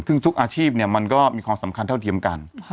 ซึ่งทุกอาชีพมันก็มีความสำคัญเท่าเทียมกัน